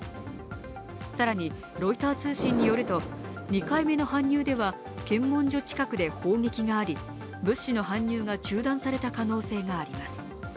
更にロイター通信によると２回目の搬入では検問所近くで砲撃があり物資の搬入が中断された可能性があります。